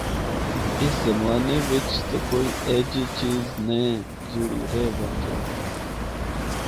اس زمانے وچ تے کوئی ایہجی چیز نینھ جہیڑ رہ ونجے۔